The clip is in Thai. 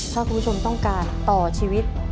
ถ้าคุณผู้ชมต้องการต่อชีวิต